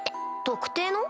特定の？